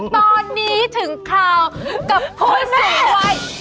ตอนนี้ถึงข่าวกับผู้สูงวัย